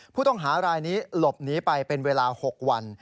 ผู้ต้องหารายนี้หลบหนีไปเป็นเวลา๖วัน